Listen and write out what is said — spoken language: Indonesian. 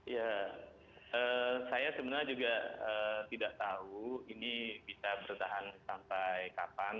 ya saya sebenarnya juga tidak tahu ini bisa bertahan sampai kapan